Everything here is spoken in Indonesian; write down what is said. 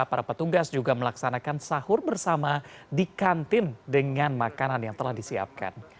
para petugas juga melaksanakan sahur bersama di kantin dengan makanan yang telah disiapkan